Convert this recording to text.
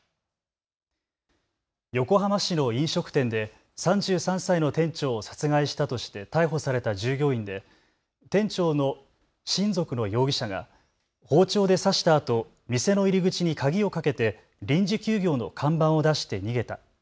横浜市の飲食店で３３歳の店長を殺害したとして逮捕された従業員で店長の親族の容疑者が包丁で刺したあと店の入り口に鍵をかけて臨時休業の看板を出して逃げた。